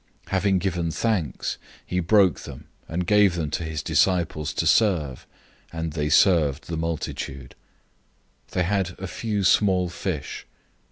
Having given thanks, he broke them, and gave them to his disciples to serve, and they served the multitude. 008:007 They had a few small fish.